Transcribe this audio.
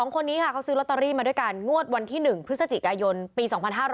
คนนี้ค่ะเขาซื้อลอตเตอรี่มาด้วยกันงวดวันที่๑พฤศจิกายนปี๒๕๖๐